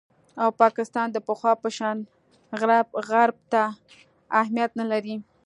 او پاکستان د پخوا په شان غرب ته اهمیت نه لري